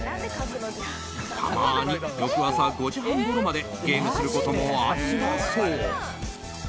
たまに、翌朝５時半ごろまでゲームすることもあるんだそう。